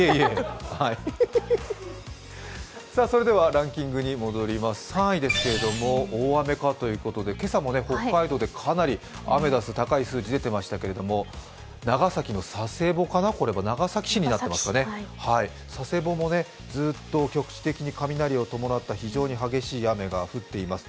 ランキング３位ですけども大雨かということで今朝も北海道でアメダス、かなり高い数字が出ていましたけれども、これは長崎の佐世保かな、長崎市になってますね、佐世保もずっと局地的に雷を伴った非常に激しい雨が降っています。